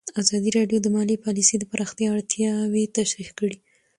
ازادي راډیو د مالي پالیسي د پراختیا اړتیاوې تشریح کړي.